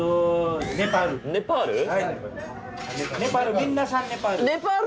みんなネパール。